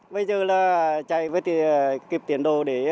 bây giờ là chạy với thì kịp tiền đồ